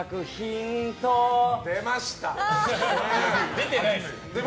出てないです。